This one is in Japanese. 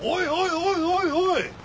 おいおいおい！